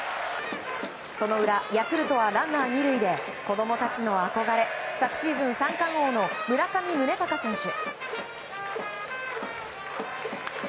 その裏、ヤクルトはランナー２塁で子供たちの憧れ昨シーズン三冠王の村上宗隆選手。